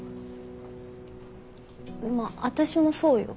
まあ私もそうよ？